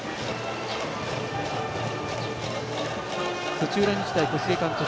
土浦日大、小菅監督